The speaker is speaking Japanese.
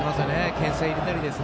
けん制を入れたり。